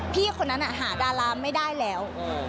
พี่คนนั้นหาดาราไม่ได้แล้ว